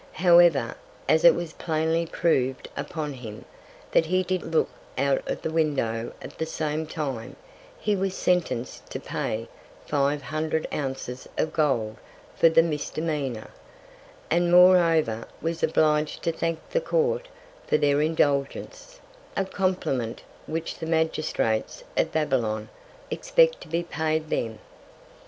However, as it was plainly prov'd upon him, that he did look out of the Window at the same Time, he was sentenc'd to pay five Hundred Ounces of Gold for that Misdemeanor; and moreover, was oblig'd to thank the Court for their Indulgence; a Compliment which the Magistrates of Babylon expect to be paid them.